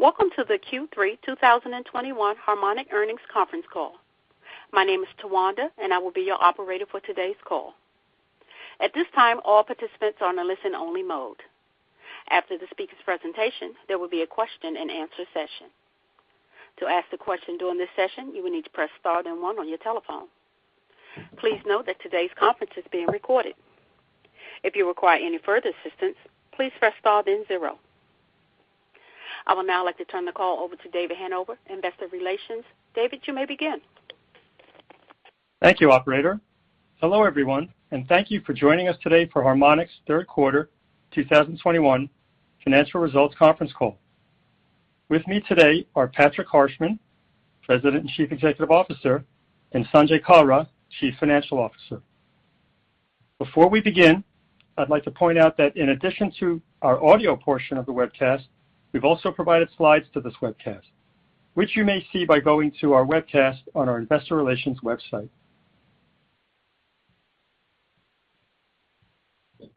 Welcome to the Q3 2021 Harmonic Earnings Conference Call. My name is Tawanda, and I will be your operator for today's call. At this time, all participants are on a listen-only mode. After the speaker's presentation, there will be a question-and-answer session. To ask the question during this session, you will need to press star then one on your telephone. Please note that today's conference is being recorded. If you require any further assistance, please press star then zero. I would now like to turn the call over to David Hanover, Investor Relations. David, you may begin. Thank you, operator. Hello, everyone, and thank you for joining us today for Harmonic's Q3r 2021 Financial Results Conference Call. With me today are Patrick Harshman, President and Chief Executive Officer, and Sanjay Kalra, Chief Financial Officer. Before we begin, I'd like to point out that in addition to our audio portion of the webcast, we've also provided slides to this webcast, which you may see by going to our webcast on our investor relations website.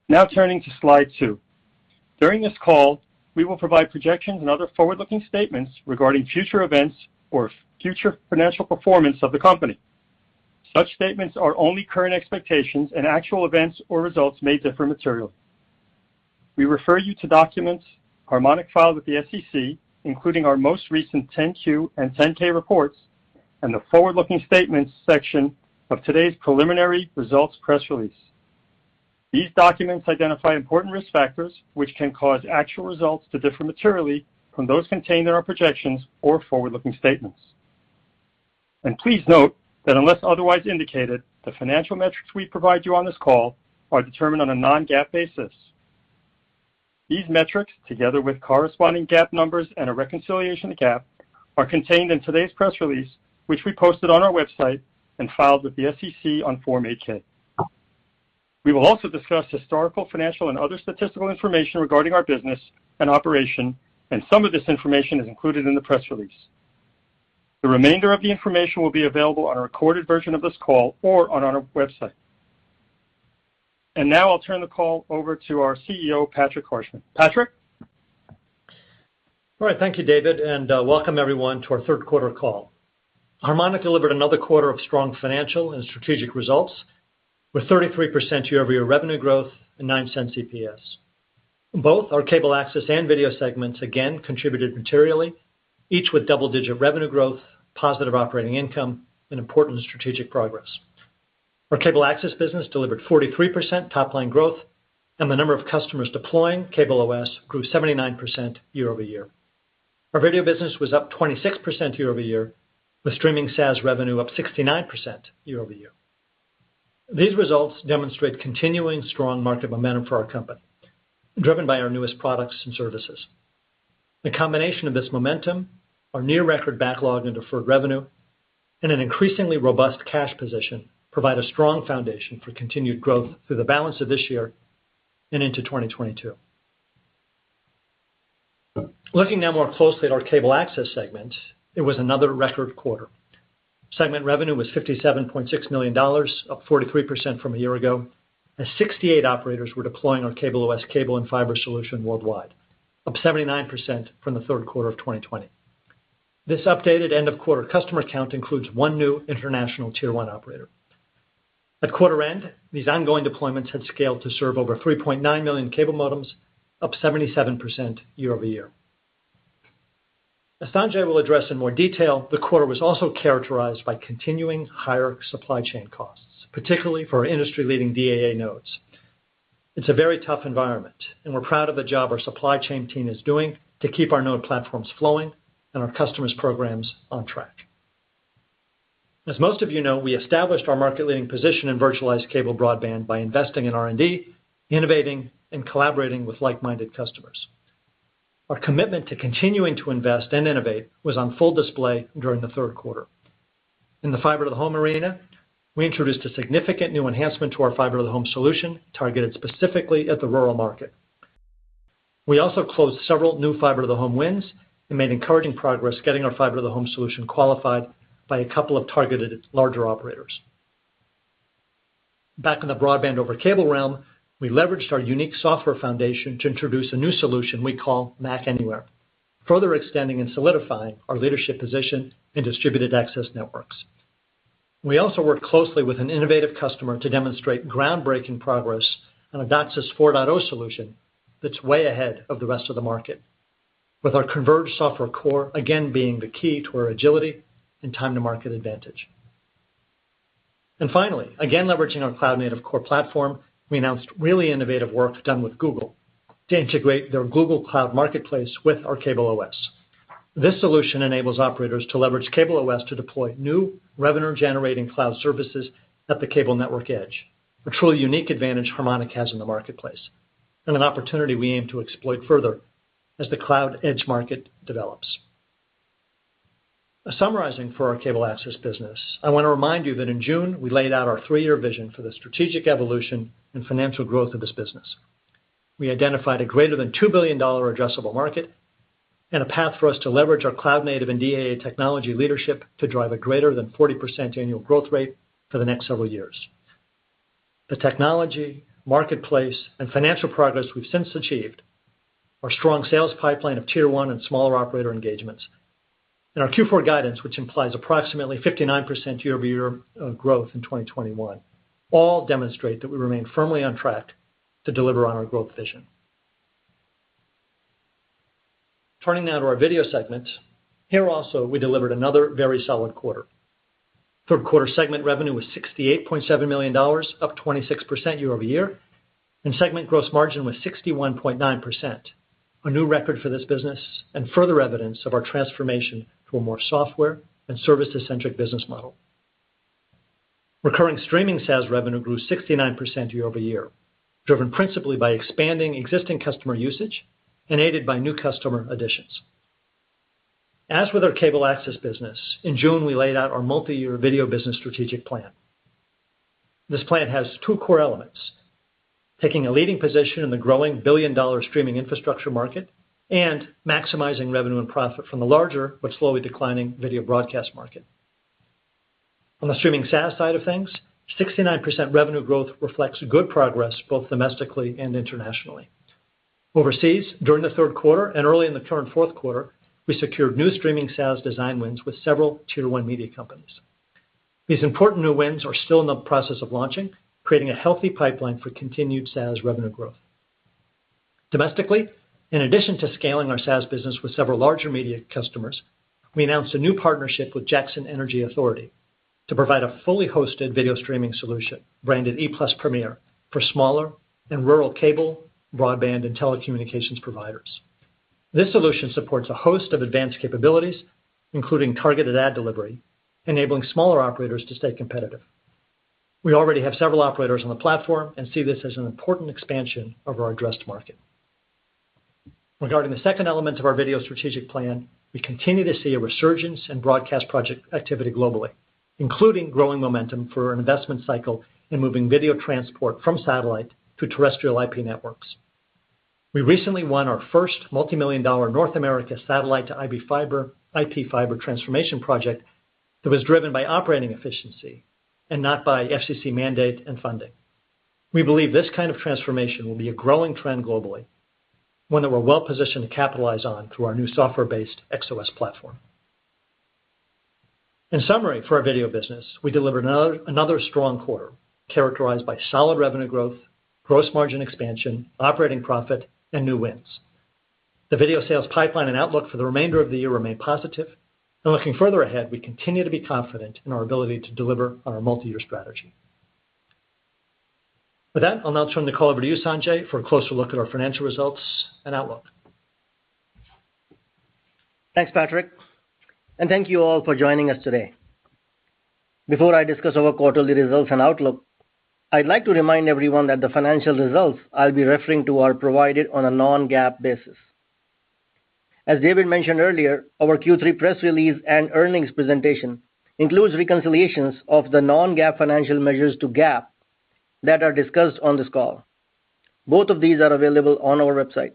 Now turning to slide 2. During this call, we will provide projections and other forward-looking statements regarding future events or future financial performance of the company. Such statements are only current expectations and actual events or results may differ materially. We refer you to documents Harmonic filed with the SEC, including our most recent 10-Q and 10-K reports and the forward-looking statements section of today's preliminary results press release. These documents identify important risk factors which can cause actual results to differ materially from those contained in our projections or forward-looking statements. Please note that unless otherwise indicated, the financial metrics we provide you on this call are determined on a non-GAAP basis. These metrics, together with corresponding GAAP numbers and a reconciliation to GAAP, are contained in today's press release, which we posted on our website and filed with the SEC on Form 8-K. We will also discuss historical, financial, and other statistical information regarding our business and operations, and some of this information is included in the press release. The remainder of the information will be available on a recorded version of this call or on our website. Now I'll turn the call over to our CEO, Patrick Harshman. Patrick. All right. Thank you, David, and welcome everyone to our Q3 call. Harmonic delivered another quarter of strong financial and strategic results with 33% year-over-year revenue growth and $0.09 EPS. Both our Cable Access and Video segments again contributed materially, each with double-digit revenue growth, positive operating income and important strategic progress. Our Cable Access business delivered 43% top line growth and the number of customers deploying CableOS grew 79% year-over-year. Our Video business was up 26% year-over-year, with streaming SaaS revenue up 69% year-over-year. These results demonstrate continuing strong market momentum for our company, driven by our newest products and services. The combination of this momentum, our near-record backlog and deferred revenue, and an increasingly robust cash position provide a strong foundation for continued growth through the balance of this year and into 2022. Looking now more closely at our Cable Access segment, it was another record quarter. Segment revenue was $57.6 million, up 43% from a year ago, as 68 operators were deploying our CableOS cable and fiber solution worldwide, up 79% from the Q3 of 2020. This updated end of quarter customer count includes one new international tier one operator. At quarter end, these ongoing deployments had scaled to serve over 3.9 million cable modems, up 77% year-over-year. As Sanjay will address in more detail, the quarter was also characterized by continuing higher supply chain costs, particularly for our industry-leading DAA nodes. It's a very tough environment, and we're proud of the job our supply chain team is doing to keep our node platforms flowing and our customers' programs on track. As most of you know, we established our market leading position in virtualized cable broadband by investing in R&D, innovating and collaborating with like-minded customers. Our commitment to continuing to invest and innovate was on full display during the Q3. In the Fiber-to-the-Home arena, we introduced a significant new enhancement to our Fiber-to-the-Home solution, targeted specifically at the rural market. We also closed several new Fiber-to-the-Home wins and made encouraging progress getting our Fiber-to-the-Home solution qualified by a couple of targeted larger operators. Back in the broadband over cable realm, we leveraged our unique software foundation to introduce a new solution we call MAC Anywhere, further extending and solidifying our leadership position in distributed access networks. We also worked closely with an innovative customer to demonstrate groundbreaking progress on a DOCSIS 4.0 solution that's way ahead of the rest of the market. With our converged software core again being the key to our agility and time to market advantage. Finally, again leveraging our cloud-native core platform, we announced really innovative work done with Google to integrate their Google Cloud Marketplace with our CableOS. This solution enables operators to leverage CableOS to deploy new revenue-generating cloud services at the cable network edge, a truly unique advantage Harmonic has in the marketplace and an opportunity we aim to exploit further as the cloud edge market develops. Summarizing for our Cable Access business, I want to remind you that in June we laid out our three-year vision for the strategic evolution and financial growth of this business. We identified a greater than $2 billion addressable market and a path for us to leverage our cloud-native and DAA technology leadership to drive a greater than 40% annual growth rate for the next several years. The technology, marketplace, and financial progress we've since achieved, our strong sales pipeline of tier one and smaller operator engagements, and our Q4 guidance, which implies approximately 59% year-over-year growth in 2021, all demonstrate that we remain firmly on track to deliver on our growth vision. Turning now to our Video segment. Here also, we delivered another very solid quarter. Q3 segment revenue was $68.7 million, up 26% year-over-year, and segment gross margin was 61.9%, a new record for this business and further evidence of our transformation to a more software and service-centric business model. Recurring streaming SaaS revenue grew 69% year-over-year, driven principally by expanding existing customer usage and aided by new customer additions. As with our Cable Access business, in June, we laid out our multi-year Video business strategic plan. This plan has two core elements, taking a leading position in the growing billion-dollar streaming infrastructure market and maximizing revenue and profit from the larger but slowly declining video broadcast market. On the streaming SaaS side of things, 69% revenue growth reflects good progress both domestically and internationally. Overseas, during the Q3 and early in the current Q4, we secured new streaming SaaS design wins with several Tier 1 media companies. These important new wins are still in the process of launching, creating a healthy pipeline for continued SaaS revenue growth. Domestically, in addition to scaling our SaaS business with several larger media customers, we announced a new partnership with Jackson Energy Authority to provide a fully hosted video streaming solution branded E+ Premier for smaller and rural cable, broadband, and telecommunications providers. This solution supports a host of advanced capabilities, including targeted ad delivery, enabling smaller operators to stay competitive. We already have several operators on the platform and see this as an important expansion of our addressed market. Regarding the second element of our Video strategic plan, we continue to see a resurgence in broadcast project activity globally, including growing momentum for an investment cycle in moving Video transport from satellite to terrestrial IP networks. We recently won our first multi-million-dollar North American satellite to IP fiber transformation project that was driven by operating efficiency and not by FCC mandate and funding. We believe this kind of transformation will be a growing trend globally, one that we're well positioned to capitalize on through our new software-based XOS platform. In summary, for our Video business, we delivered another strong quarter characterized by solid revenue growth, gross margin expansion, operating profit, and new wins. The Video sales pipeline and outlook for the remainder of the year remain positive, and looking further ahead, we continue to be confident in our ability to deliver on our multi-year strategy. With that, I'll now turn the call over to you, Sanjay, for a closer look at our financial results and outlook. Thanks, Patrick, and thank you all for joining us today. Before I discuss our quarterly results and outlook, I'd like to remind everyone that the financial results I'll be referring to are provided on a non-GAAP basis. As David mentioned earlier, our Q3 press release and earnings presentation includes reconciliations of the non-GAAP financial measures to GAAP that are discussed on this call. Both of these are available on our website.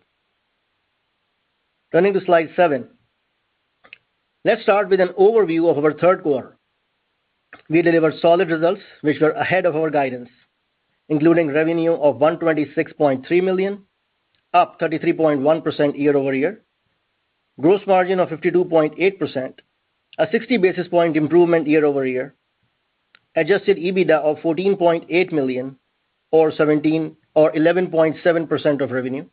Turning to slide 7. Let's start with an overview of our Q3. We delivered solid results which were ahead of our guidance, including revenue of $126.3 million, up 33.1% year-over-year. Gross margin of 52.8%, a 60 basis point improvement year-over-year. Adjusted EBITDA of $14.8 million or 11.7% of revenue,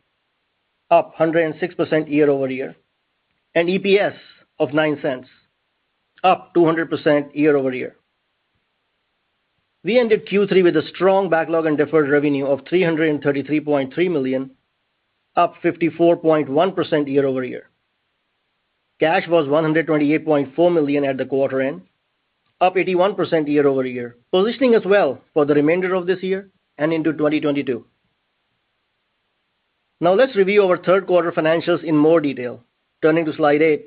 up 106% year-over-year. EPS of $0.09, up 200% year-over-year. We ended Q3 with a strong backlog and deferred revenue of $333.3 million, up 54.1% year-over-year. Cash was $128.4 million at the quarter end, up 81% year-over-year, positioning us well for the remainder of this year and into 2022. Now, let's review our Q3 financials in more detail. Turning to slide 8.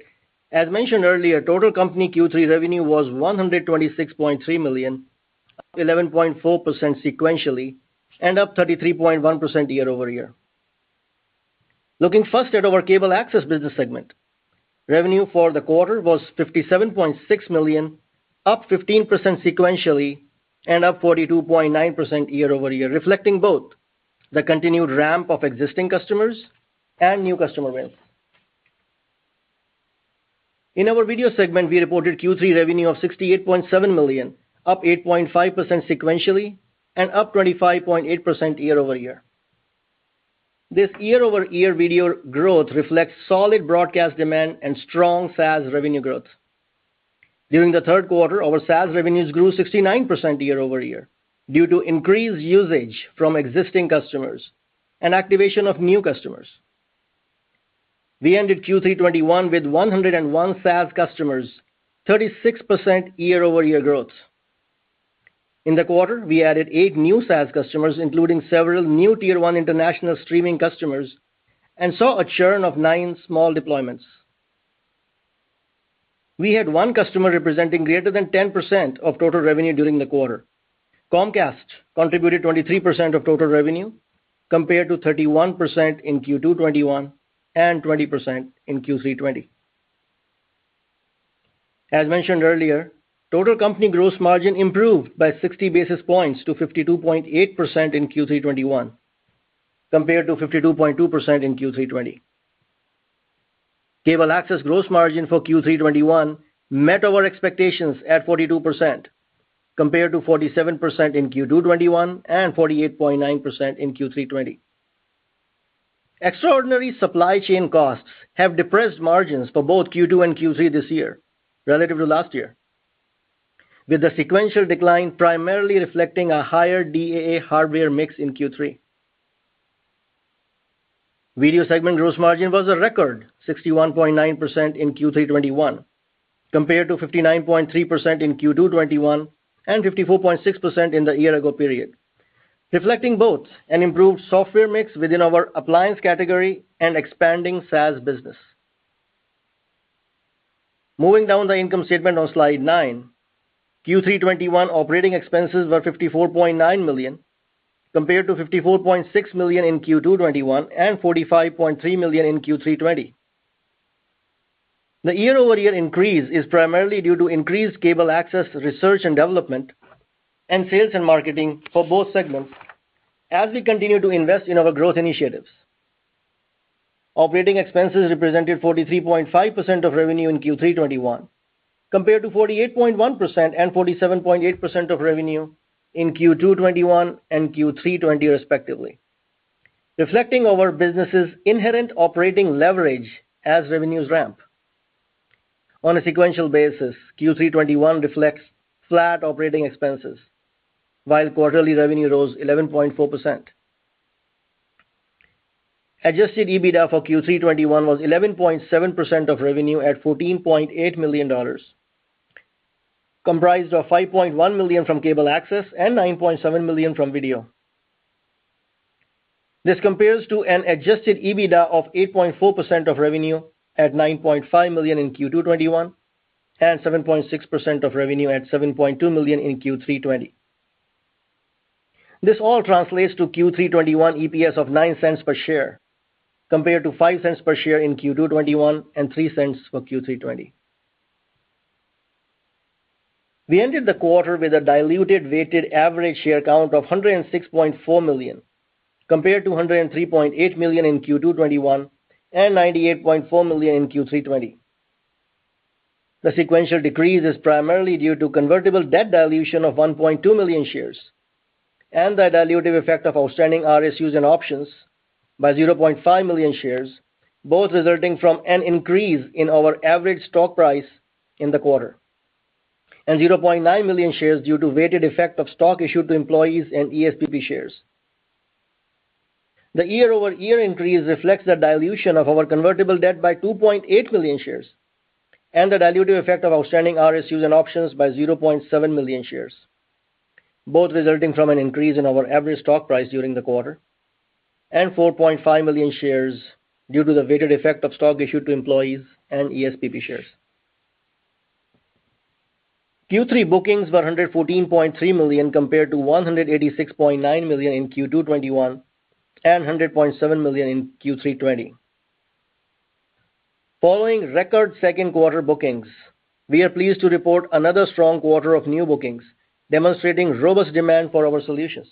As mentioned earlier, total company Q3 revenue was $126.3 million, up 11.4% sequentially, and up 33.1% year-over-year. Looking first at our Cable Access business segment. Revenue for the quarter was $57.6 million, up 15% sequentially, and up 42.9% year-over-year, reflecting both the continued ramp of existing customers and new customer wins. In our Video segment, we reported Q3 revenue of $68.7 million, up 8.5% sequentially, and up 25.8% year-over-year. This year-over-year Video growth reflects solid broadcast demand and strong SaaS revenue growth. During the Q3, our SaaS revenues grew 69% year-over-year due to increased usage from existing customers and activation of new customers. We ended Q3 2021 with 101 SaaS customers, 36% year-over-year growth. In the quarter, we added eight new SaaS customers, including several new tier one international streaming customers, and saw a churn of nine small deployments. We had one customer representing greater than 10% of total revenue during the quarter. Comcast contributed 23% of total revenue, compared to 31% in Q2 2021 and 20% in Q3 2020. As mentioned earlier, total company gross margin improved by 60 basis points to 52.8% in Q3 2021, compared to 52.2% in Q3 2020. Cable Access gross margin for Q3 2021 met our expectations at 42% compared to 47% in Q2 2021 and 48.9% in Q3 2020. Extraordinary supply chain costs have depressed margins for both Q2 and Q3 this year relative to last year, with a sequential decline primarily reflecting a higher DAA hardware mix in Q3. Video segment gross margin was a record 61.9% in Q3 2021, compared to 59.3% in Q2 2021 and 54.6% in the year ago period, reflecting both an improved software mix within our appliance category and expanding SaaS business. Moving down the income statement on slide 9. Q3 2021 operating expenses were $54.9 million, compared to $54.6 million in Q2 2021 and $45.3 million in Q3 2020. The year-over-year increase is primarily due to increased cable access research and development and sales and marketing for both segments as we continue to invest in our growth initiatives. Operating expenses represented 43.5% of revenue in Q3 2021, compared to 48.1% and 47.8% of revenue in Q2 2021 and Q3 2020 respectively, reflecting our business's inherent operating leverage as revenues ramp. On a sequential basis, Q3 2021 reflects flat operating expenses, while quarterly revenue rose 11.4%. Adjusted EBITDA for Q3 2021 was 11.7% of revenue at $14.8 million, comprised of $5.1 million from Cable Access and $9.7 million from Video. This compares to an adjusted EBITDA of 8.4% of revenue at $9.5 million in Q2 2021, and 7.6% of revenue at $7.2 million in Q3 2020. This all translates to Q3 2021 EPS of $0.09 per share, compared to $0.05 per share in Q2 2021 and $0.03 for Q3 2020. We ended the quarter with a diluted weighted average share count of 106.4 million, compared to 103.8 million in Q2 2021 and 98.4 million in Q3 2020. The sequential decrease is primarily due to convertible debt dilution of 1.2 million shares and the dilutive effect of outstanding RSUs and options by 0.5 million shares, both resulting from an increase in our average stock price in the quarter. Zero point nine million shares due to weighted effect of stock issued to employees and ESPP shares. The year-over-year increase reflects the dilution of our convertible debt by 2.8 million shares and the dilutive effect of outstanding RSUs and options by 0.7 million shares, both resulting from an increase in our average stock price during the quarter, and 4.5 million shares due to the weighted effect of stock issued to employees and ESPP shares. Q3 bookings were $114.3 million compared to $186.9 million in Q2 2021 and $100.7 million in Q3 2020. Following record Q2 bookings, we are pleased to report another strong quarter of new bookings, demonstrating robust demand for our solutions.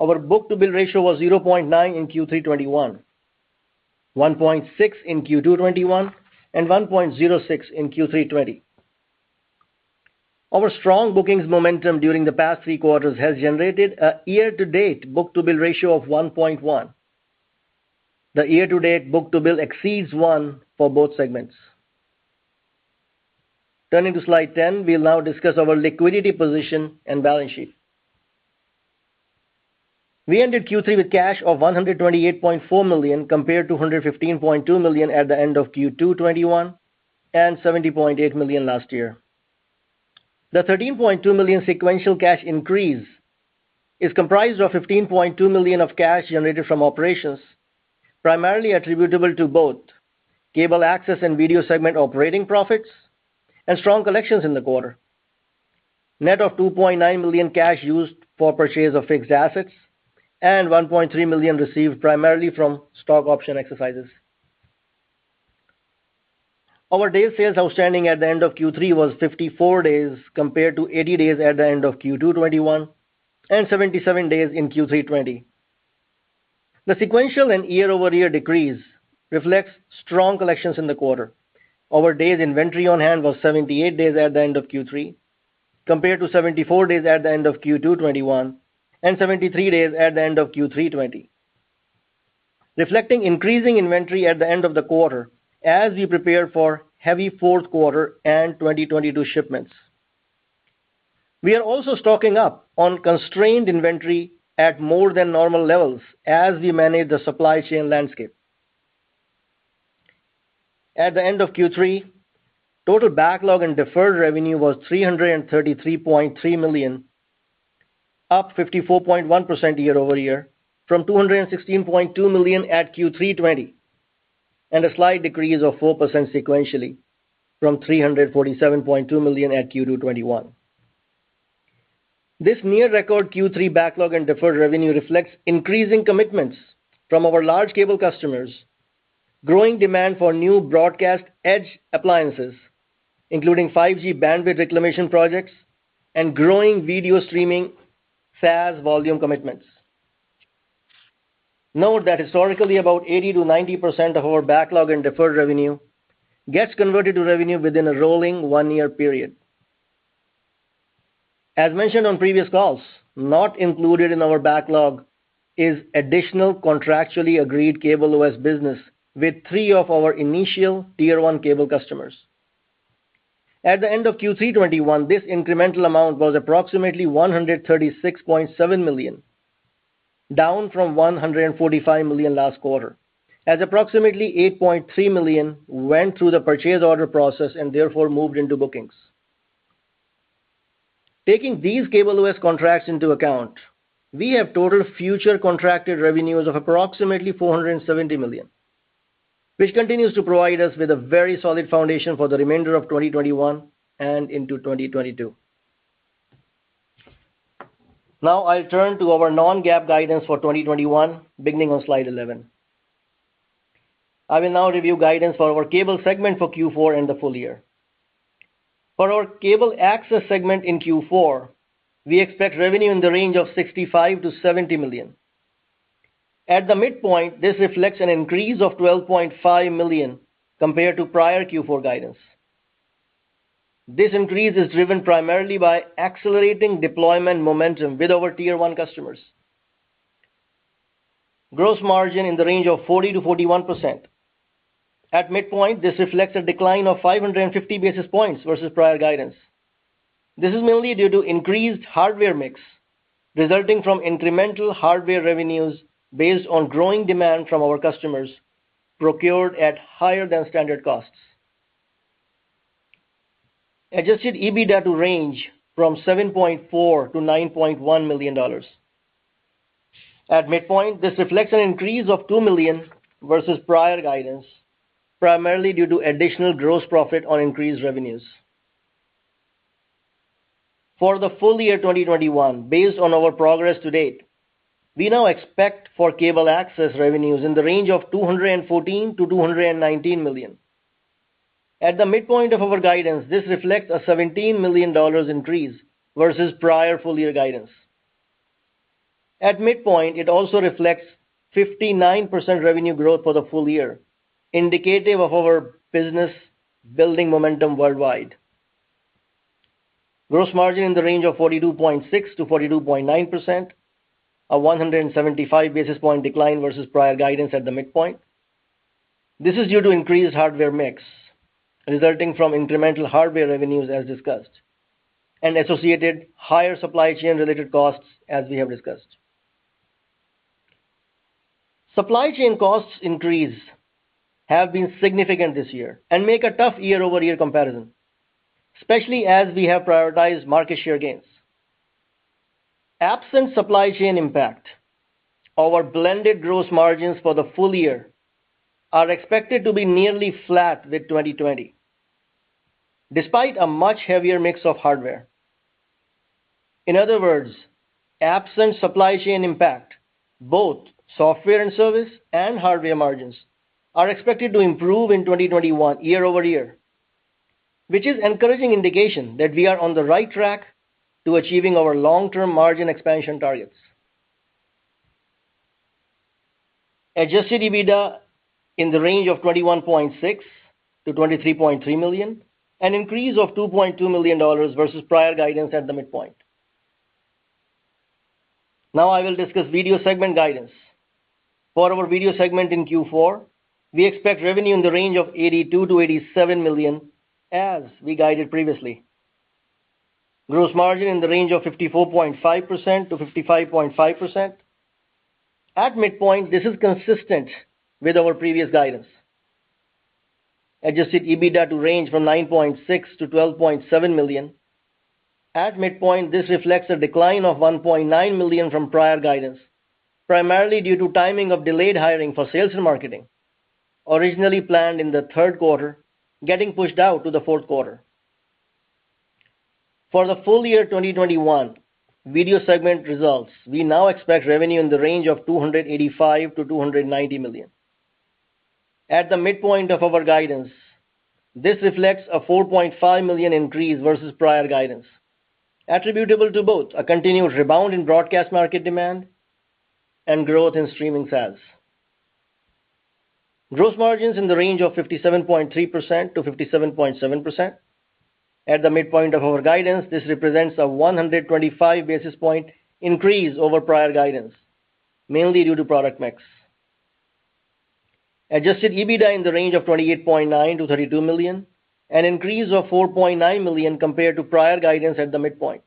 Our book-to-bill ratio was 0.9 in Q3 2021, 1.6 in Q2 2021, and 1.06 in Q3 2020. Our strong bookings momentum during the past three quarters has generated a year-to-date book-to-bill ratio of 1.1. The year-to-date book-to-bill exceeds one for both segments. Turning to slide 10, we'll now discuss our liquidity position and balance sheet. We ended Q3 with cash of $128.4 million compared to $115.2 million at the end of Q2 2021 and $70.8 million last year. The $13.2 million sequential cash increase is comprised of $15.2 million of cash generated from operations, primarily attributable to both Cable Access and Video segment operating profits and strong collections in the quarter. Net of $2.9 million cash used for purchase of fixed assets and $1.3 million received primarily from stock option exercises. Our days sales outstanding at the end of Q3 was 54 days compared to 80 days at the end of Q2 2021 and 77 days in Q3 2020. The sequential and year-over-year decrease reflects strong collections in the quarter. Our days inventory on hand was 78 days at the end of Q3, compared to 74 days at the end of Q2 2021 and 73 days at the end of Q3 2020. Reflecting increasing inventory at the end of the quarter as we prepare for heavy Q4 and 2022 shipments. We are also stocking up on constrained inventory at more than normal levels as we manage the supply chain landscape. At the end of Q3, total backlog and deferred revenue was $333.3 million, up 54.1% year-over-year from $216.2 million at Q3 2020, and a slight decrease of 4% sequentially from $347.2 million at Q2 2021. This near record Q3 backlog and deferred revenue reflects increasing commitments from our large cable customers, growing demand for new broadcast edge appliances, including 5G bandwidth reclamation projects, and growing video streaming SaaS volume commitments. Note that historically, about 80% to 90% of our backlog and deferred revenue gets converted to revenue within a rolling one-year period. As mentioned on previous calls, not included in our backlog is additional contractually agreed CableOS business with three of our initial Tier 1 cable customers. At the end of Q3 2021, this incremental amount was approximately $136.7 million, down from $145 million last quarter, as approximately $8.3 million went through the purchase order process and therefore moved into bookings. Taking these CableOS contracts into account, we have total future contracted revenues of approximately $470 million, which continues to provide us with a very solid foundation for the remainder of 2021 and into 2022. Now I'll turn to our non-GAAP guidance for 2021, beginning on slide 11. I will now review guidance for our Cable segment for Q4 and the full year. For our Cable Access segment in Q4, we expect revenue in the range of $65 million to $70 million. At the midpoint, this reflects an increase of $12.5 million compared to prior Q4 guidance. This increase is driven primarily by accelerating deployment momentum with our Tier 1 customers. Gross margin in the range of 40% to 41%. At midpoint, this reflects a decline of 550 basis points versus prior guidance. This is mainly due to increased hardware mix, resulting from incremental hardware revenues based on growing demand from our customers procured at higher than standard costs. Adjusted EBITDA to range from $7.4 million to $9.1 million. At midpoint, this reflects an increase of $2 million versus prior guidance, primarily due to additional gross profit on increased revenues. For the full year 2021, based on our progress to date, we now expect for Cable Access revenues in the range of $214 million to $219 million. At the midpoint of our guidance, this reflects a $17 million increase versus prior full year guidance. At midpoint, it also reflects 59% revenue growth for the full year, indicative of our business building momentum worldwide. Gross margin in the range of 42.6% to 42.9%, a 175 basis point decline versus prior guidance at the midpoint. This is due to increased hardware mix, resulting from incremental hardware revenues as discussed, and associated higher supply chain-related costs as we have discussed. Supply chain cost increases have been significant this year and make a tough year-over-year comparison, especially as we have prioritized market share gains. Absent supply chain impact, our blended gross margins for the full year are expected to be nearly flat with 2020, despite a much heavier mix of hardware. In other words, absent supply chain impact, both software and service and hardware margins are expected to improve in 2021 year over year, which is encouraging indication that we are on the right track to achieving our long-term margin expansion targets. Adjusted EBITDA in the range of $21.6 million to $23.3 million, an increase of $2.2 million versus prior guidance at the midpoint. Now I will discuss Video segment guidance. For our Video segment in Q4, we expect revenue in the range of $82 million to $87 million, as we guided previously. Gross margin in the range of 54.5% to 55.5%. At midpoint, this is consistent with our previous guidance. Adjusted EBITDA to range from $9.6 million to $12.7 million. At midpoint, this reflects a decline of $1.9 million from prior guidance, primarily due to timing of delayed hiring for sales and marketing, originally planned in the Q3, getting pushed out to the Q4. For the full year 2021 Video segment results, we now expect revenue in the range of $285 million to $290 million. At the midpoint of our guidance, this reflects a $4.5 million increase versus prior guidance, attributable to both a continued rebound in broadcast market demand and growth in streaming SaaS. Gross margins in the range of 57.3% to 57.7%. At the midpoint of our guidance, this represents a 125 basis point increase over prior guidance, mainly due to product mix. Adjusted EBITDA in the range of $28.9 million to $32 million, an increase of $4.9 million compared to prior guidance at the midpoint.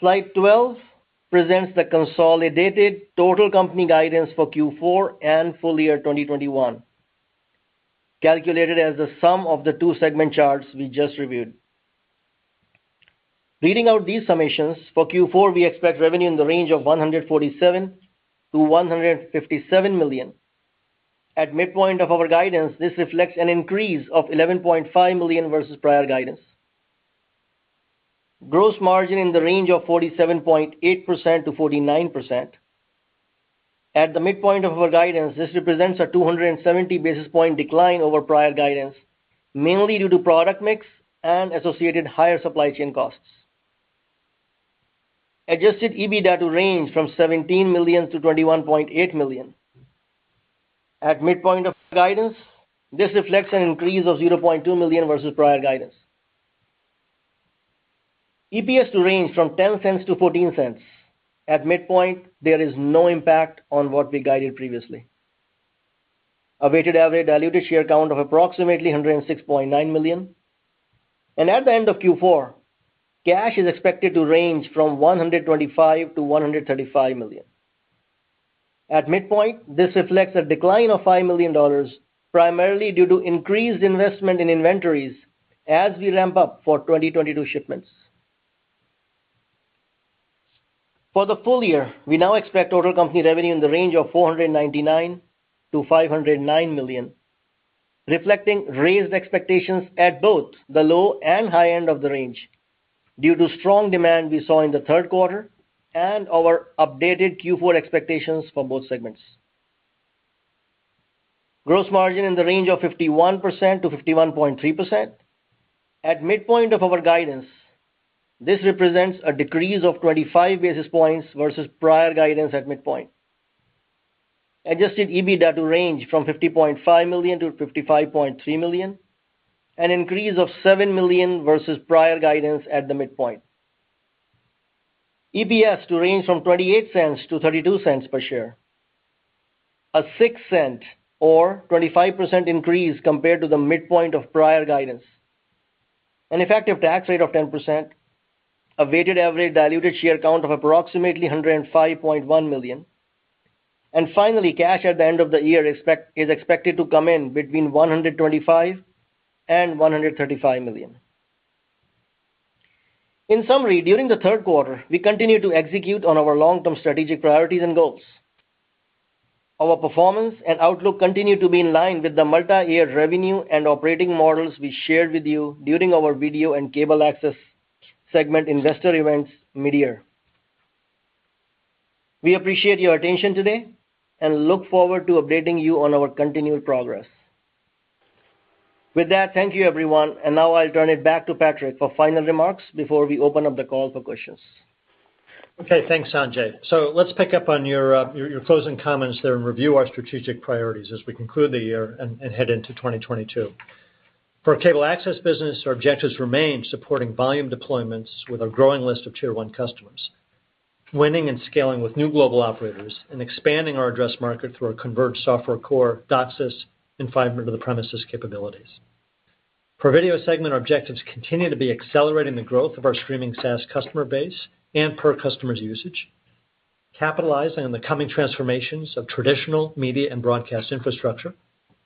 Slide 12 presents the consolidated total company guidance for Q4 and full year 2021, calculated as the sum of the two segment charts we just reviewed. Reading out these summations, for Q4, we expect revenue in the range of $147 million to $157 million. At midpoint of our guidance, this reflects an increase of $11.5 million versus prior guidance. Gross margin in the range of 47.8% to 49%. At the midpoint of our guidance, this represents a 270 basis point decline over prior guidance, mainly due to product mix and associated higher supply chain costs. Adjusted EBITDA to range from $17 million to $21.8 million. At midpoint of guidance, this reflects an increase of $0.2 million versus prior guidance. EPS to range from $0.10 to $0.14. At midpoint, there is no impact on what we guided previously. A weighted average diluted share count of approximately 106.9 million. At the end of Q4, cash is expected to range from $125 million to $135 million. At midpoint, this reflects a decline of $5 million, primarily due to increased investment in inventories as we ramp up for 2022 shipments. For the full year, we now expect total company revenue in the range of $499 million to $509 million, reflecting raised expectations at both the low and high end of the range due to strong demand we saw in the Q3 and our updated Q4 expectations for both segments. Gross margin in the range of 51% to 51.3%. At midpoint of our guidance, this represents a decrease of 25 basis points versus prior guidance at midpoint. Adjusted EBITDA to range from $50.5 million to $55.3 million, an increase of $7 million versus prior guidance at the midpoint. EPS to range from $0.28 to $0.32 per share, a $0.06 or 25% increase compared to the midpoint of prior guidance. An effective tax rate of 10%. A weighted average diluted share count of approximately 105.1 million. Finally, cash at the end of the year is expected to come in between $125 million and $135 million. In summary, during the Q3, we continued to execute on our long-term strategic priorities and goals. Our performance and outlook continue to be in line with the multi-year revenue and operating models we shared with you during our Video and Cable Access segment investor events mid-year. We appreciate your attention today and look forward to updating you on our continued progress. With that, thank you, everyone. Now I'll turn it back to Patrick for final remarks before we open up the call for questions. Okay, thanks, Sanjay. Let's pick up on your closing comments there and review our strategic priorities as we conclude the year and head into 2022. For our Cable Access business, our objectives remain supporting volume deployments with a growing list of tier one customers, winning and scaling with new global operators, and expanding our addressable market through our converged software core DOCSIS and fiber to the premises capabilities. For Video segment, our objectives continue to be accelerating the growth of our streaming SaaS customer base and per-customer usage, capitalizing on the coming transformations of traditional media and broadcast infrastructure,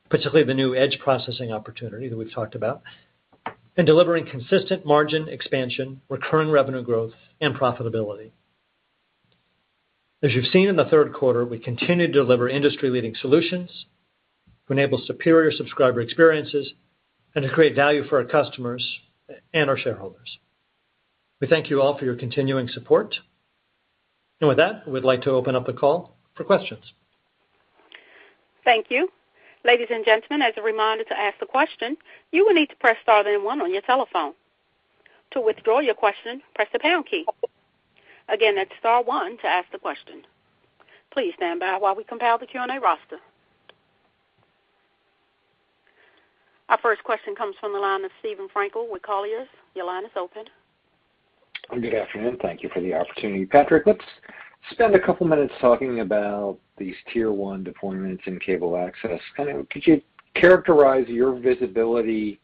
particularly the new edge processing opportunity that we've talked about, and delivering consistent margin expansion, recurring revenue growth, and profitability. As you've seen in the Q3, we continue to deliver industry-leading solutions to enable superior subscriber experiences and to create value for our customers and our shareholders. We thank you all for your continuing support. With that, we'd like to open up the call for questions. Thank you. Ladies and gentlemen, as a reminder to ask a question, you will need to press star then one on your telephone. To withdraw your question, press the pound key. Again, that's star one to ask the question. Please stand by while we compile the Q&A roster. Our first question comes from the line of Steven Frankel with Colliers. Your line is open. Good afternoon. Thank you for the opportunity. Patrick, let's spend a couple minutes talking about these Tier 1 deployments in Cable Access. Kind of could you characterize your visibility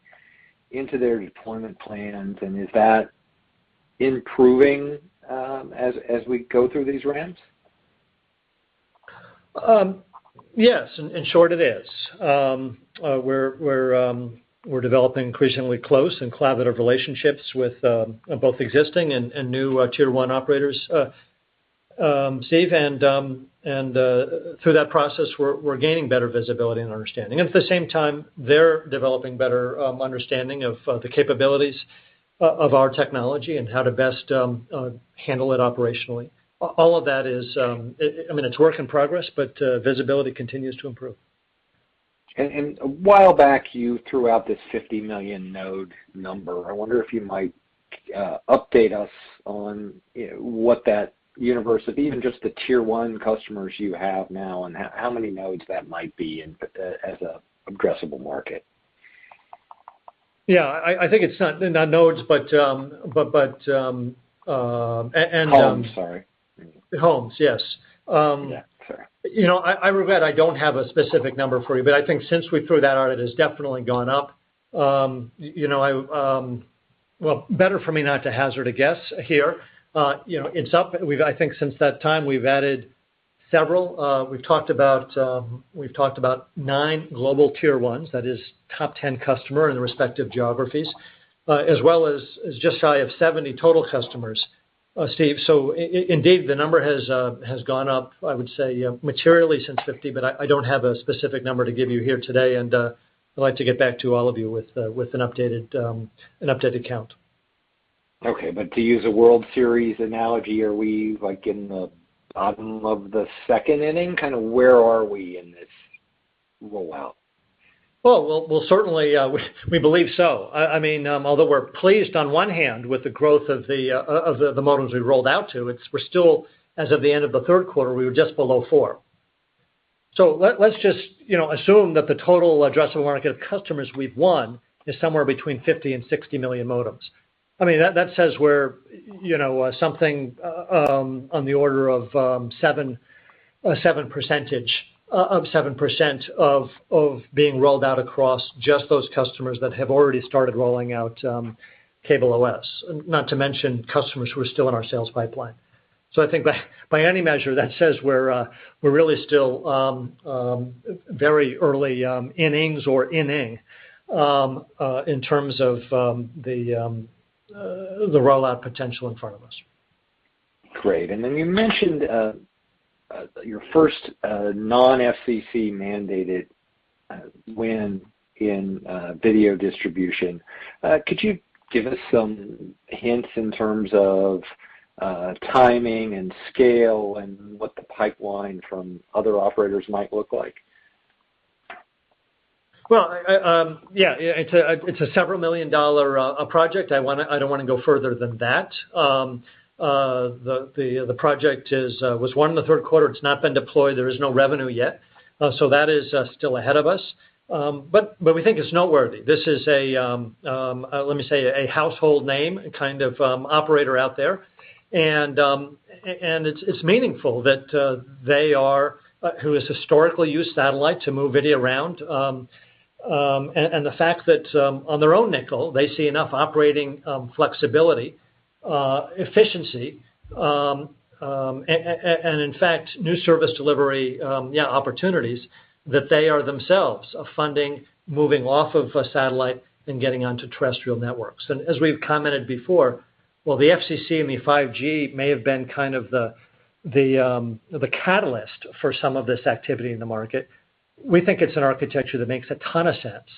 into their deployment plans, and is that improving, as we go through these ramps? Yes. In short, it is. We're developing increasingly close and collaborative relationships with both existing and new Tier 1 operators, Steve. Through that process, we're gaining better visibility and understanding. At the same time, they're developing better understanding of the capabilities of our technology and how to best handle it operationally. All of that is, I mean, it's work in progress, but visibility continues to improve. A while back, you threw out this 50 million node number. I wonder if you might update us on, you know, what that universe of even just the Tier 1 customers you have now and how many nodes that might be in as an addressable market. Yeah, I think it's not nodes, but Homes, sorry. Homes, yes. Yeah, sorry. You know, I regret I don't have a specific number for you, but I think since we threw that out, it has definitely gone up. You know, well, better for me not to hazard a guess here. You know, it's up. I think since that time, we've added several. We've talked about nine global Tier 1s, that is top ten customer in the respective geographies, as well as just shy of 70 total customers. Steven, so indeed, the number has gone up, I would say, materially since 50, but I don't have a specific number to give you here today, and I'd like to get back to all of you with an updated count. Okay. To use a World Series analogy, are we, like, in the bottom of the second inning? Kinda where are we in this rollout? Well, certainly, we believe so. I mean, although we're pleased on one hand with the growth of the modems we rolled out to, we're still, as of the end of the Q3, we were just below four. Let's just, you know, assume that the total addressable market of customers we've won is somewhere between 50 million and 60 million modems. I mean, that says we're, you know, something on the order of 7% of being rolled out across just those customers that have already started rolling out CableOS, not to mention customers who are still in our sales pipeline. I think by any measure, that says we're really still very early innings or inning in terms of the rollout potential in front of us. Great. You mentioned your first non-FCC mandated win in video distribution. Could you give us some hints in terms of timing and scale and what the pipeline from other operators might look like? It's a several million-dollar project. I don't wanna go further than that. The project was won in the Q3. It's not been deployed. There is no revenue yet. That is still ahead of us. We think it's noteworthy. This is, let me say, a household name kind of operator out there. It's meaningful that they, who has historically used satellite to move video around, and the fact that, on their own nickel, they see enough operating flexibility, efficiency, and in fact, new service delivery opportunities that they are themselves funding, moving off of a satellite and getting onto terrestrial networks. As we've commented before, while the FCC and the 5G may have been kind of the catalyst for some of this activity in the market, we think it's an architecture that makes a ton of sense,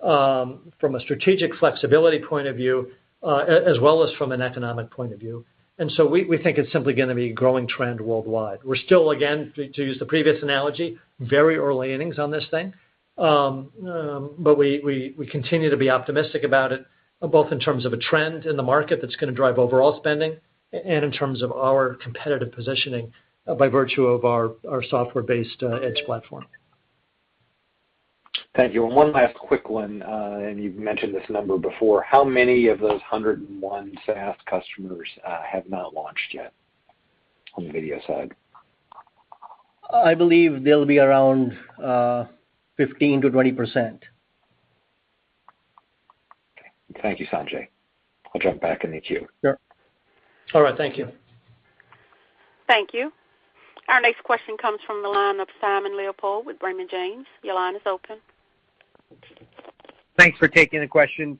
from a strategic flexibility point of view, as well as from an economic point of view. We think it's simply gonna be a growing trend worldwide. We're still, again, to use the previous analogy, very early innings on this thing. We continue to be optimistic about it, both in terms of a trend in the market that's gonna drive overall spending and in terms of our competitive positioning by virtue of our software-based edge platform. Thank you. One last quick one, and you've mentioned this number before. How many of those 101 SaaS customers have not launched yet on the video side? I believe they'll be around 15% to 20%. Okay. Thank you, Sanjay. I'll jump back in the queue. Sure. All right. Thank you. Thank you. Our next question comes from the line of Simon Leopold with Raymond James. Your line is open. Thanks for taking the question.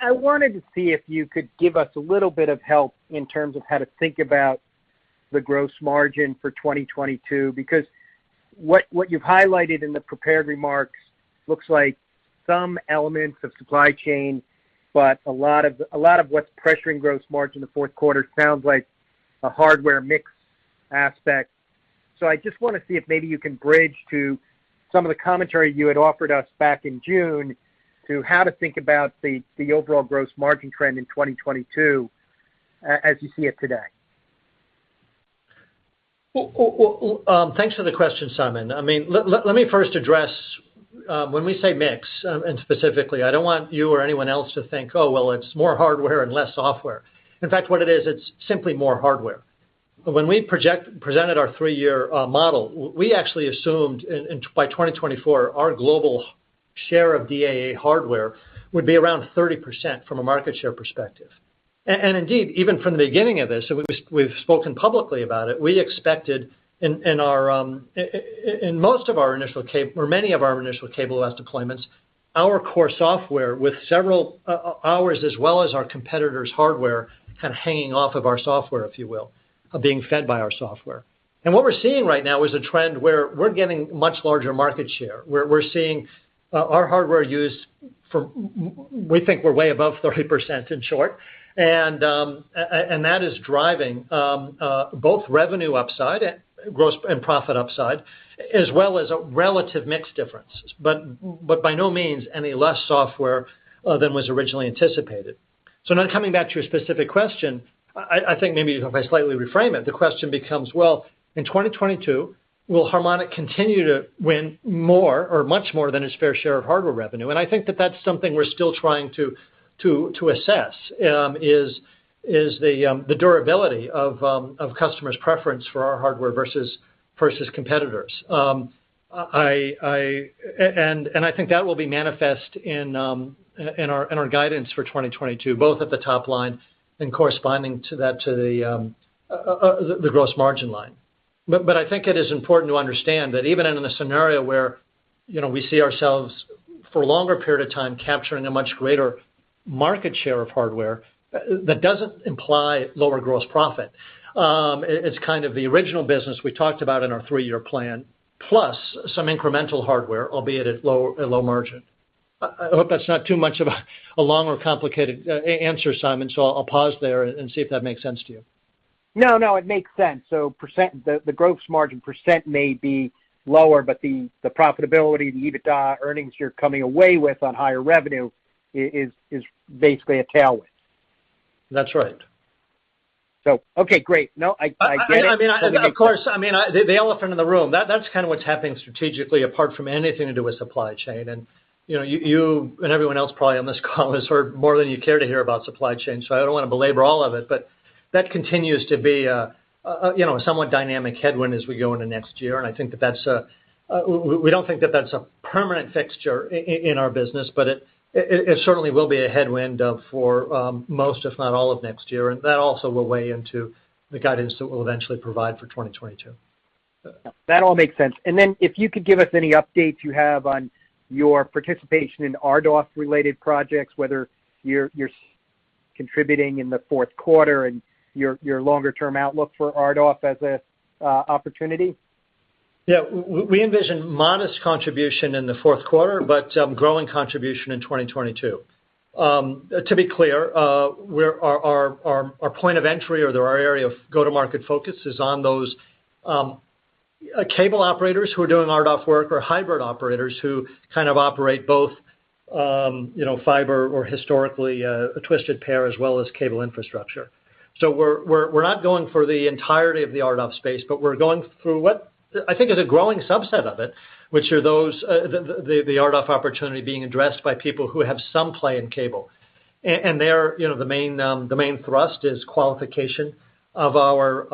I wanted to see if you could give us a little bit of help in terms of how to think about the gross margin for 2022, because what you've highlighted in the prepared remarks looks like some elements of supply chain, but a lot of what's pressuring gross margin in the Q4 sounds like a hardware mix aspect. I just wanna see if maybe you can bridge to some of the commentary you had offered us back in June to how to think about the overall gross margin trend in 2022 as you see it today. Thanks for the question, Simon. I mean, let me first address when we say mix, and specifically, I don't want you or anyone else to think, "Oh, well, it's more hardware and less software." In fact, what it is, it's simply more hardware. When we presented our three-year model, we actually assumed in by 2024, our global share of DAA hardware would be around 30% from a market share perspective. Indeed, even from the beginning of this, so we've spoken publicly about it, we expected in our in most of our initial or many of our initial CableOS deployments, our core software with several ours, as well as our competitors' hardware kind of hanging off of our software, if you will, being fed by our software. What we're seeing right now is a trend where we're getting much larger market share. We're seeing our hardware used. We think we're way above 30% in short, and that is driving both revenue upside, gross and profit upside, as well as a relative mix difference, but by no means any less software than was originally anticipated. Now coming back to your specific question, I think maybe if I slightly reframe it, the question becomes. Well, in 2022, will Harmonic continue to win more or much more than its fair share of hardware revenue? I think that's something we're still trying to assess is the durability of customers' preference for our hardware versus competitors. I think that will be manifest in our guidance for 2022, both at the top line and corresponding to that, to the gross margin line. I think it is important to understand that even in a scenario where, you know, we see ourselves for a longer period of time capturing a much greater market share of hardware, that doesn't imply lower gross profit. It's kind of the original business we talked about in our three-year plan, plus some incremental hardware, albeit at low margin. I hope that's not too much of a long or complicated answer, Simon. I'll pause there and see if that makes sense to you. No, it makes sense. The gross margin percent may be lower, but the profitability, the EBITDA earnings you're coming away with on higher revenue is basically a tailwind. That's right. Okay, great. No, I get it. I mean, of course, the elephant in the room, that's kind of what's happening strategically apart from anything to do with supply chain. You know, you and everyone else probably on this call has heard more than you care to hear about supply chain, so I don't want to belabor all of it. That continues to be a you know, somewhat dynamic headwind as we go into next year. I think we don't think that's a permanent fixture in our business, but it certainly will be a headwind for most, if not all of next year. That also will weigh into the guidance that we'll eventually provide for 2022. That all makes sense. If you could give us any updates you have on your participation in RDOF-related projects, whether you're contributing in the Q4 and your longer term outlook for RDOF as a opportunity? Yeah. We envision modest contribution in the Q4, but growing contribution in 2022. To be clear, where our point of entry or our area of go-to-market focus is on those cable operators who are doing RDOF work or hybrid operators who kind of operate both, you know, fiber or historically twisted pair as well as cable infrastructure. We're not going for the entirety of the RDOF space, but we're going through what I think is a growing subset of it, which are those, the RDOF opportunity being addressed by people who have some play in cable. There, you know, the main thrust is qualification of our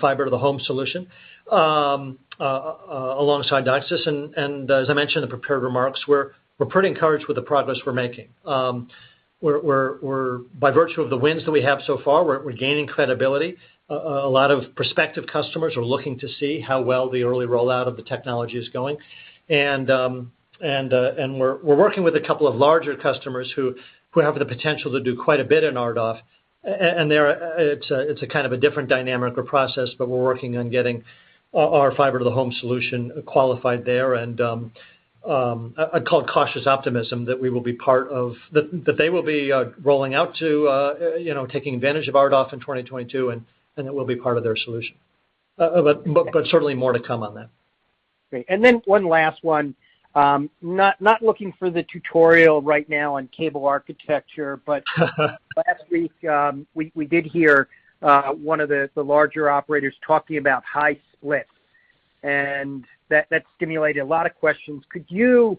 Fiber-to-the-Home solution alongside DOCSIS. As I mentioned in the prepared remarks, we're pretty encouraged with the progress we're making. We're by virtue of the wins that we have so far, we're gaining credibility. A lot of prospective customers are looking to see how well the early rollout of the technology is going. We're working with a couple of larger customers who have the potential to do quite a bit in RDOF. They're, it's a kind of a different dynamic or process, but we're working on getting our Fiber-to-the-Home solution qualified there. I'd call it cautious optimism that they will be rolling out too, you know, taking advantage of RDOF in 2022, and it will be part of their solution. But certainly more to come on that. Great. Then one last one. Not looking for the tutorial right now on cable architecture, but last week, we did hear one of the larger operators talking about high splits, and that stimulated a lot of questions. Could you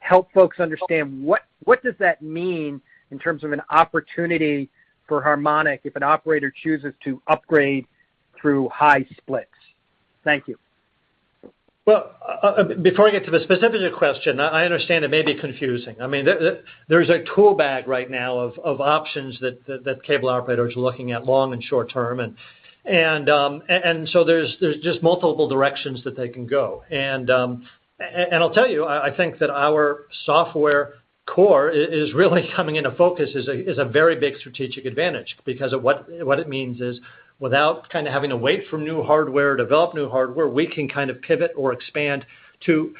help folks understand what does that mean in terms of an opportunity for Harmonic if an operator chooses to upgrade through high splits? Thank you. Well, before I get to the specific question, I understand it may be confusing. I mean, there's a toolbox right now of options that cable operators are looking at long and short term. So there's just multiple directions that they can go. I'll tell you, I think that our software core is really coming into focus, is a very big strategic advantage. Because of what it means is, without kind of having to wait for new hardware, develop new hardware, we can kind of pivot or expand to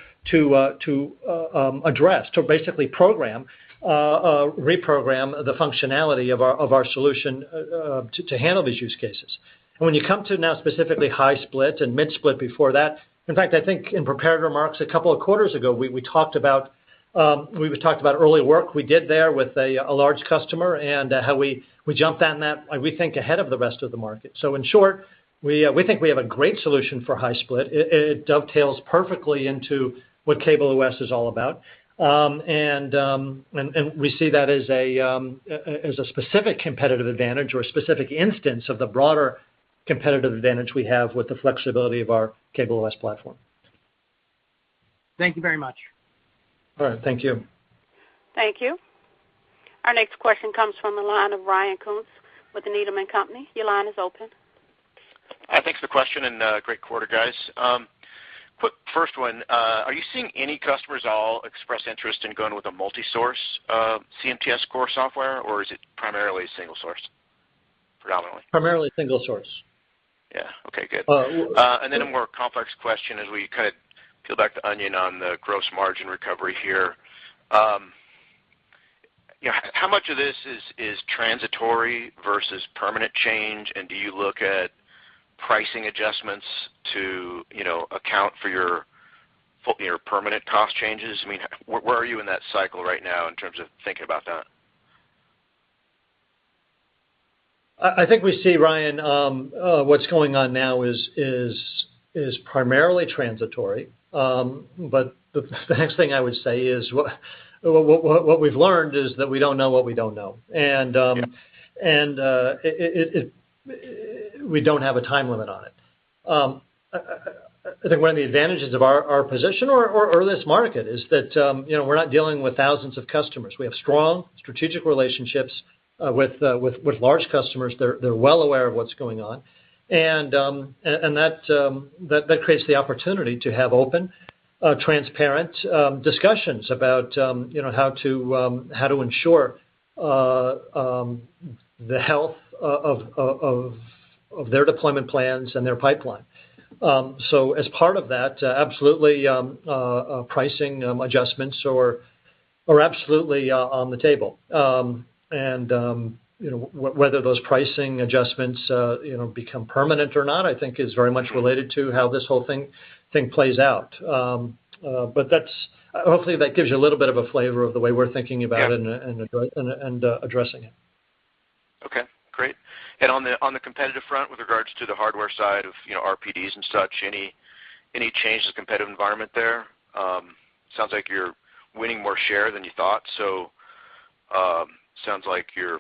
address, to basically reprogram the functionality of our solution, to handle these use cases. When you come to now specifically high-split and mid-split before that, in fact, I think in prepared remarks a couple of quarters ago, we talked about early work we did there with a large customer and how we jumped on that, I think ahead of the rest of the market. In short, we think we have a great solution for high-split. It dovetails perfectly into what CableOS is all about. We see that as a specific competitive advantage or a specific instance of the broader competitive advantage we have with the flexibility of our CableOS platform. Thank you very much. All right. Thank you. Thank you. Our next question comes from the line of Ryan Koontz with Needham & Company. Your line is open. Hi. Thanks for the question, and great quarter, guys. Quick first one. Are you seeing any customers at all express interest in going with a multi-source CMTS core software, or is it primarily single source predominantly? Primarily single source. Yeah. Okay, good. A more complex question as we kind of peel back the onion on the gross margin recovery here. How much of this is transitory versus permanent change and do you look at pricing adjustments to, you know, account for your permanent cost changes? I mean, where are you in that cycle right now in terms of thinking about that? I think we see, Ryan, what's going on now is primarily transitory. The next thing I would say is what we've learned is that we don't know what we don't know. We don't have a time limit on it. I think one of the advantages of our position or this market is that, you know, we're not dealing with thousands of customers. We have strong strategic relationships with large customers. They're well aware of what's going on. That creates the opportunity to have open, transparent discussions about, you know, how to ensure the health of their deployment plans and their pipeline. As part of that, absolutely, pricing adjustments are absolutely on the table. You know, whether those pricing adjustments, you know, become permanent or not, I think is very much related to how this whole thing plays out. Hopefully, that gives you a little bit of a flavor of the way we're thinking about it addressing it. Okay, great. On the competitive front, with regards to the hardware side of, you know, RPDs and such, any change to the competitive environment there? Sounds like you're winning more share than you thought, so sounds like you're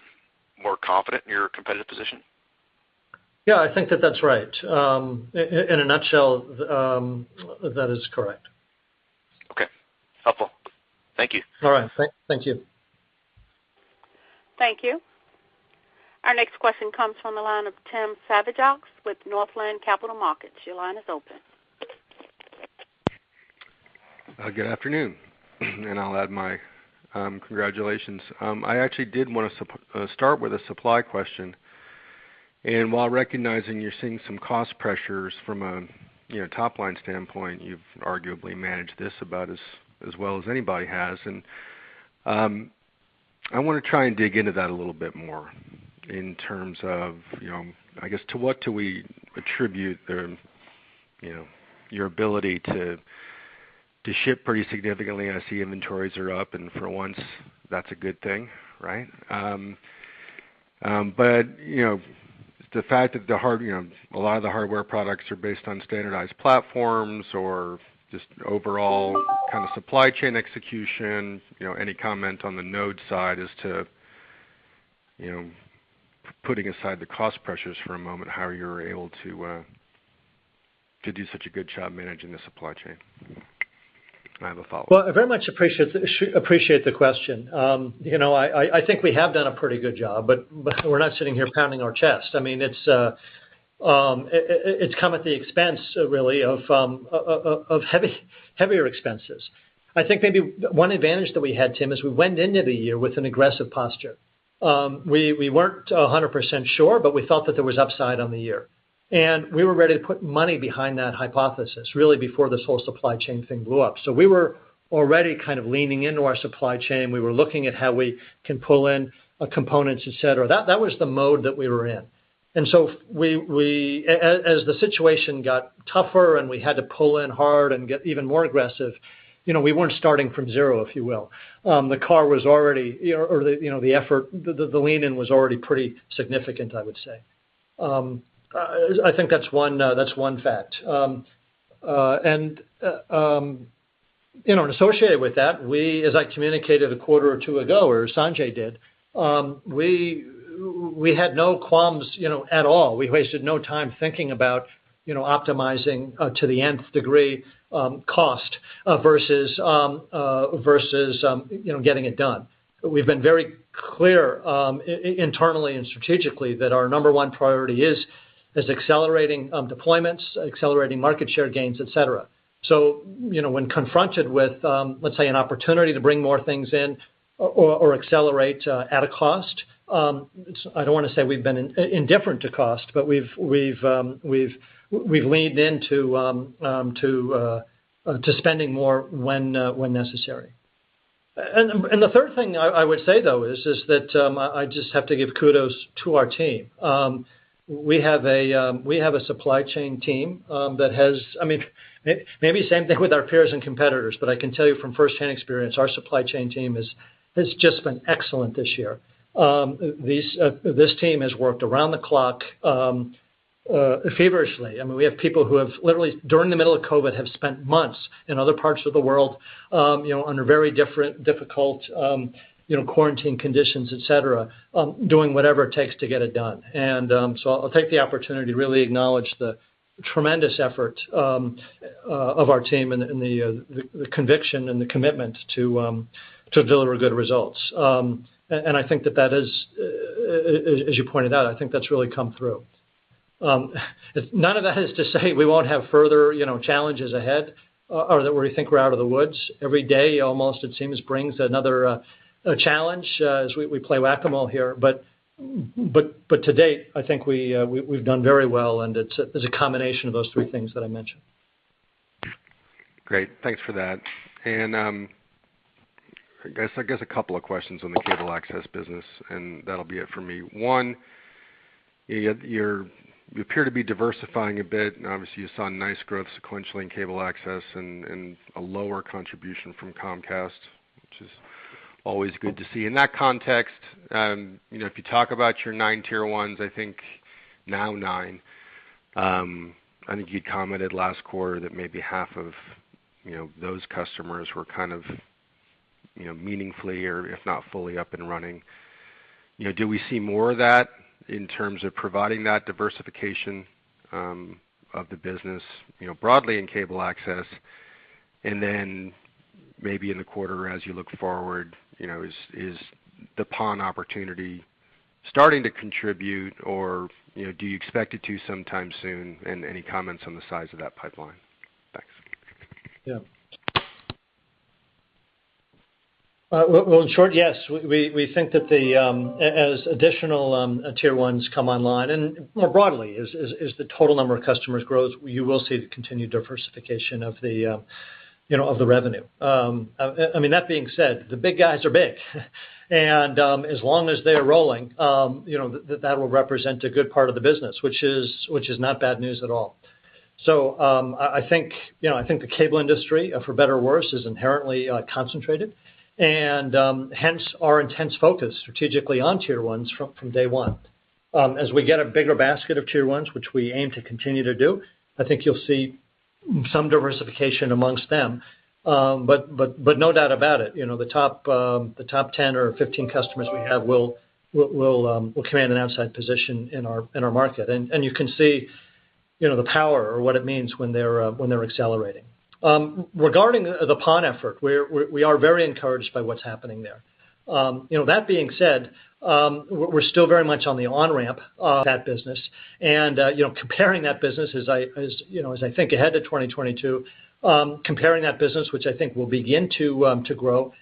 more confident in your competitive position. Yeah, I think that that's right. In a nutshell, that is correct. Okay. Helpful. Thank you. All right. Thank you. Thank you. Our next question comes from the line of Tim Savageaux with Northland Capital Markets. Your line is open. Good afternoon. I'll add my congratulations. I actually did wanna start with a supply question. While recognizing you're seeing some cost pressures from a, you know, top-line standpoint, you've arguably managed this about as well as anybody has. I wanna try and dig into that a little bit more in terms of, you know, I guess, to what do we attribute the, you know, your ability to ship pretty significantly? I see inventories are up, and for once, that's a good thing, right? You know, the fact that a lot of the hardware products are based on standardized platforms or just overall kind of supply chain execution, you know, any comment on the node side as to, you know, putting aside the cost pressures for a moment, how you're able to do such a good job managing the supply chain? I have a follow-up. I very much appreciate the question. You know, I think we have done a pretty good job, but we're not sitting here pounding our chest. It's come at the expense really of heavier expenses. I think maybe one advantage that we had, Tim, is we went into the year with an aggressive posture. We weren't 100% sure, but we felt that there was upside on the year, and we were ready to put money behind that hypothesis really before this whole supply chain thing blew up. We were already kind of leaning into our supply chain. We were looking at how we can pull in components, et cetera. That was the mode that we were in. The situation got tougher, and we had to pull in hard and get even more aggressive, you know, we weren't starting from zero, if you will. The car was already, you know, the effort, the lean in was already pretty significant, I would say. I think that's one fact. You know, associated with that, we, as I communicated a quarter or two ago, or Sanjay did, we had no qualms, you know, at all. We wasted no time thinking about, you know, optimizing to the nth degree, cost versus, you know, getting it done. We've been very clear, internally and strategically that our number one priority is accelerating deployments, accelerating market share gains, et cetera. You know, when confronted with, let's say an opportunity to bring more things in or accelerate at a cost, I don't wanna say we've been indifferent to cost, but we've leaned into spending more when necessary. The third thing I would say, though, is that I just have to give kudos to our team. We have a supply chain team that has. I mean, maybe same thing with our peers and competitors, but I can tell you from firsthand experience, our supply chain team has just been excellent this year. This team has worked around the clock feverishly. I mean, we have people who have literally, during the middle of COVID, have spent months in other parts of the world, you know, under very different, difficult, you know, quarantine conditions, et cetera, doing whatever it takes to get it done. I'll take the opportunity to really acknowledge the tremendous effort of our team and the conviction and the commitment to deliver good results. I think that is, as you pointed out, I think that's really come through. None of that is to say we won't have further, you know, challenges ahead or that we think we're out of the woods. Every day, almost, it seems, brings another challenge as we play Whac-A-Mole here. To date, I think we've done very well, and there's a combination of those three things that I mentioned. Great. Thanks for that. I guess a couple of questions on the Cable Access business, and that'll be it for me. One, you appear to be diversifying a bit, and obviously you saw nice growth sequentially in Cable Access and a lower contribution from Comcast, which is always good to see. In that context, you know, if you talk about your nine Tier 1s, I think now nine, I think you commented last quarter that maybe half of, you know, those customers were kind of, you know, meaningfully or if not fully up and running. You know, do we see more of that in terms of providing that diversification of the business, you know, broadly in Cable Access? Maybe in the quarter as you look forward, you know, is the PON opportunity starting to contribute or, you know, do you expect it to sometime soon? Any comments on the size of that pipeline? Thanks. Yeah. Well, in short, yes, we think that, as additional tier ones come online and more broadly, as the total number of customers grows, you will see the continued diversification of the, you know, of the revenue. I mean, that being said, the big guys are big. As long as they're rolling, you know, that will represent a good part of the business, which is not bad news at all. I think, you know, I think the cable industry, for better or worse, is inherently concentrated. Hence our intense focus strategically on tier ones from day one. As we get a bigger basket of tier ones, which we aim to continue to do, I think you'll see some diversification amongst them. No doubt about it, you know, the top 10 or 15 customers we have will command an outsized position in our market. You can see, you know, the power or what it means when they're accelerating. Regarding the PON effort, we are very encouraged by what's happening there. You know, that being said, we're still very much on the on-ramp of that business. You know, comparing that business, as I think ahead to 2022, comparing that business, which I think will begin to grow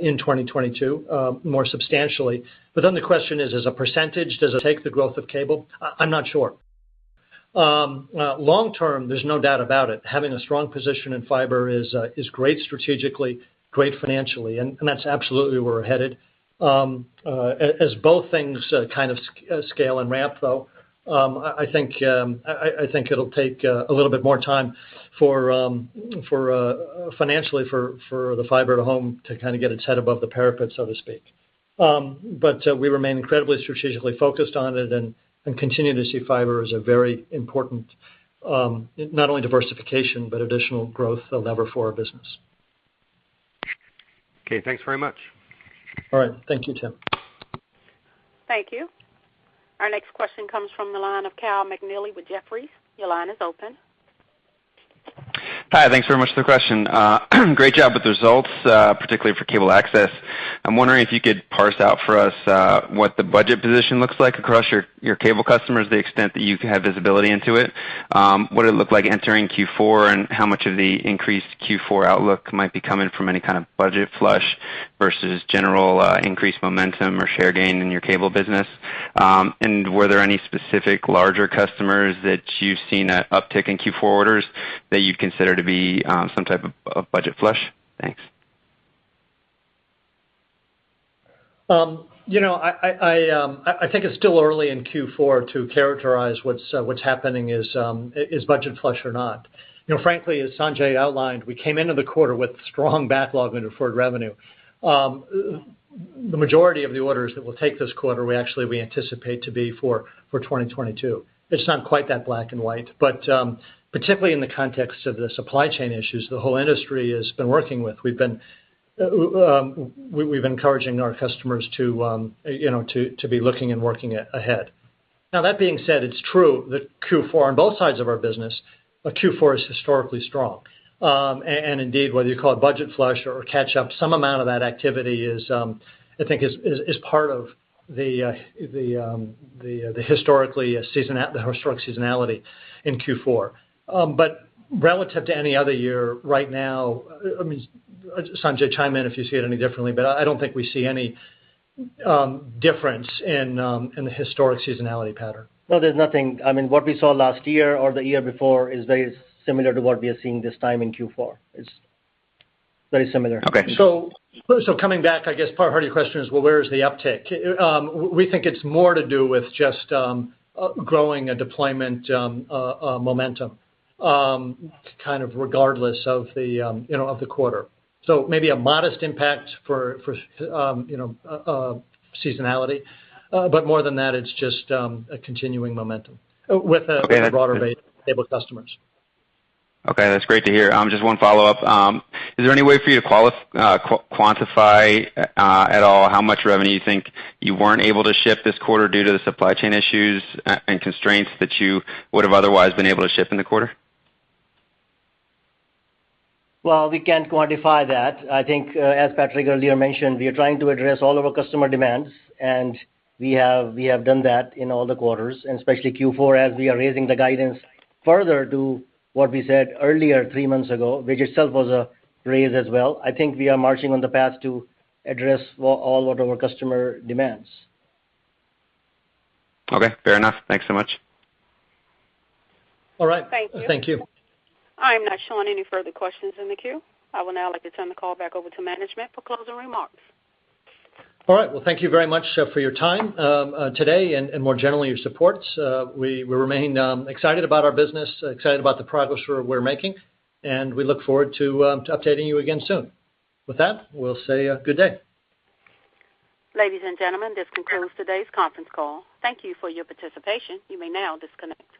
in 2022 more substantially. The question is, as a percentage, does it take the growth of cable? I'm not sure. Long term, there's no doubt about it. Having a strong position in fiber is great strategically, great financially, and that's absolutely where we're headed. As both things kind of scale and ramp though, I think it'll take a little bit more time for the Fiber-to-the-Home to kind of get its head above the parapet financially, so to speak. We remain incredibly strategically focused on it and continue to see fiber as a very important not only diversification, but additional growth lever for our business. Okay, thanks very much. All right. Thank you, Tim. Thank you. Our next question comes from the line of Kyle McNealy with Jefferies. Your line is open. Hi, thanks very much for the question. Great job with the results, particularly for Cable Access. I'm wondering if you could parse out for us what the budget position looks like across your cable customers, the extent that you can have visibility into it, what it looked like entering Q4, and how much of the increased Q4 outlook might be coming from any kind of budget flush versus general increased momentum or share gain in your cable business. Were there any specific larger customers that you've seen an uptick in Q4 orders that you'd consider to be some type of budget flush? Thanks. You know, I think it's still early in Q4 to characterize what's happening is budget flush or not. You know, frankly, as Sanjay outlined, we came into the quarter with strong backlog and deferred revenue. The majority of the orders that we'll take this quarter, we actually anticipate to be for 2022. It's not quite that black and white. Particularly in the context of the supply chain issues the whole industry has been working with, we've been encouraging our customers to, you know, to be looking and working ahead. Now, that being said, it's true that Q4 on both sides of our business is historically strong. Indeed, whether you call it budget flush or catch-up, some amount of that activity is, I think, part of the historic seasonality in Q4. Relative to any other year right now, I mean, Sanjay, chime in if you see it any differently, but I don't think we see any difference in the historic seasonality pattern. No, there's nothing. I mean, what we saw last year or the year before is very similar to what we are seeing this time in Q4. It's very similar. Okay. Coming back, I guess part of your question is, well, where is the uptick? We think it's more to do with just growing a deployment momentum kind of regardless of the, you know, of the quarter. Maybe a modest impact for you know seasonality. But more than that, it's just a continuing momentum with a broader base of cable customers. Okay, that's great to hear. Just one follow-up. Is there any way for you to quantify at all how much revenue you think you weren't able to ship this quarter due to the supply chain issues and constraints that you would've otherwise been able to ship in the quarter? Well, we can't quantify that. I think, as Patrick earlier mentioned, we are trying to address all of our customer demands, and we have done that in all the quarters, and especially Q4, as we are raising the guidance further to what we said earlier three months ago, which itself was a raise as well. I think we are marching on the path to address all of our customer demands. Okay, fair enough. Thanks so much. All right. Thank you. Thank you. I'm not showing any further questions in the queue. I would now like to turn the call back over to management for closing remarks. All right. Well, thank you very much for your time today, and more generally, your support. We remain excited about our business, excited about the progress we're making, and we look forward to updating you again soon. With that, we'll say a good day. Ladies and gentlemen, this concludes today's conference call. Thank you for your participation. You may now disconnect.